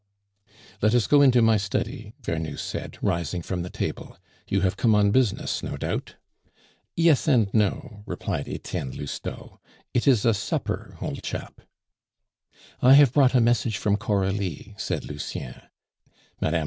"Let us go into my study," Vernou said, rising from the table; "you have come on business, no doubt." "Yes and no," replied Etienne Lousteau. "It is a supper, old chap." "I have brought a message from Coralie," said Lucien (Mme.